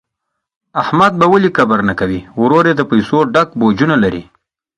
احمد به ولي کبر نه کوي، ورور یې د پیسو ډک بوجونه لري.